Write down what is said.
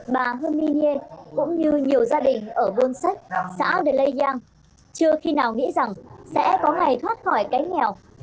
bà herminie cũng như nhiều gia đình ở vương sách xã adelaide chưa khi nào nghĩ rằng sẽ có ngày thoát khỏi cái nghèo